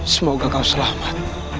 semoga kau selamat